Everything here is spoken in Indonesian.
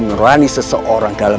merani seseorang dalam